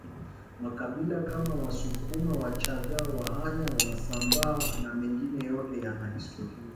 makabila Kama wasukuma wachaga wahaya wasambaa na mengine yote yana historia